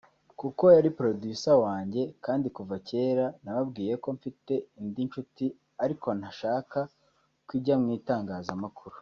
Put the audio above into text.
kuko yari producer wanjye kandi kuva kera nababwiye ko mfite indi nshuti ariko ntashaka ko ijya mu itangazamakuru”